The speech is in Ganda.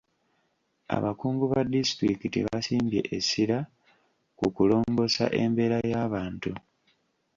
Abakungu ba disitulikiti basimbye essira ku kulongoosa embeera yabantu.